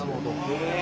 へえ。